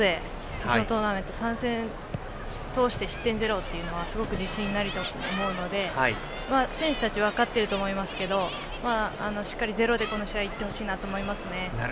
決勝トーナメント３戦通して失点ゼロというのはすごく自信になると思うので選手たちは分かっていると思いますがしっかりゼロで、この試合行ってほしいなと思いますね。